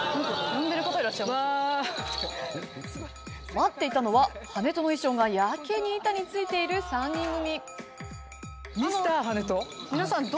待っていたのは、跳人の衣装がやけに板についている３人組。